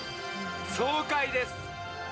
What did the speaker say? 爽快です！